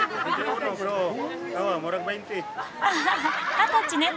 二十歳ね。